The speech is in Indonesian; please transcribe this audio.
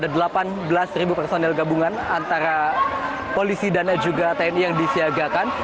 ada delapan belas personel gabungan antara polisi dan juga tni yang disiagakan